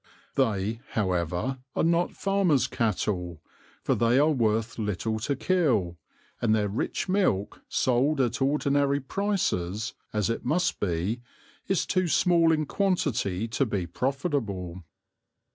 They, however, are not farmers' cattle, for they are worth little to kill, and their rich milk, sold at ordinary prices, as it must be, is too small in quantity to be profitable.